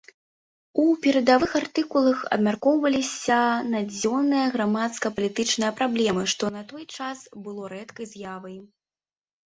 У перадавых артыкулах абмяркоўваліся надзённыя грамадска-палітычныя праблемы, што на той час было рэдкай з'явай.